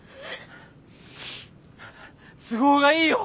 都合がいいよ。